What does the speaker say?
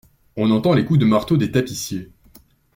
On entend les coups de marteaux des tapissiers.